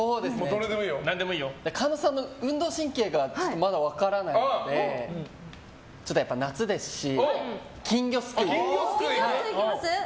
神田さんの運動神経がまだ分からないのでやっぱり夏ですし金魚すくいで。